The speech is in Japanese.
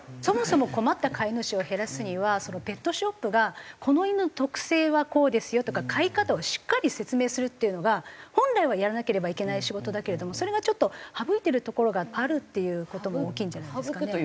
そもそも困った飼い主を減らすにはペットショップがこの犬の特性はこうですよとか飼い方をしっかり説明するっていうのが本来はやらなければいけない仕事だけれどもそれがちょっと省いてるところがあるっていう事も大きいんじゃないですかね。